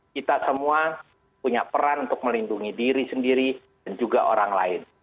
kita semua punya peran untuk melindungi diri sendiri dan juga orang lain